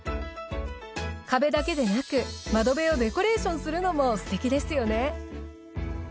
壁だけでなく窓辺をデコレーションするのもすてきですよね。